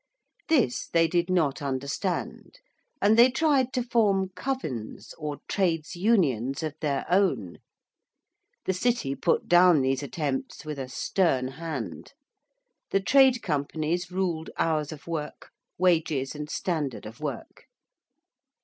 This they did not understand and they tried to form 'covins' or trades unions of their own. The City put down these attempts with a stern hand. The trade companies ruled hours of work, wages, and standard of work.